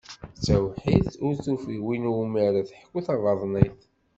D tawḥidt, ur tufi win iwumi ara teḥku tabaḍnit.